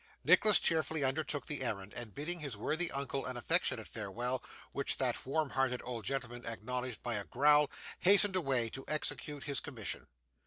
Nicholas cheerfully undertook the errand, and bidding his worthy uncle an affectionate farewell, which that warm hearted old gentleman acknowledged by a growl, hastened away to execute his commission.